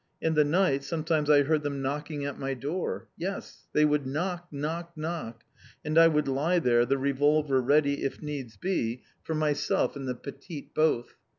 In the night sometimes I heard them knocking at my door. Yes, they would knock, knock, knock! And I would lie there, the revolver ready, if needs be, for myself and the petite both!